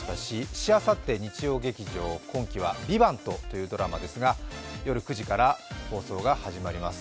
しあさって日曜劇場、今期は「ＶＩＶＡＮＴ」というドラマですが夜９時から放送が始まります。